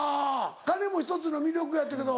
金も１つの魅力やっていうけど。